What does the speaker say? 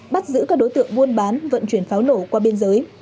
bắt giữ các đối tượng buôn bán vận chuyển pháo nổ qua biên giới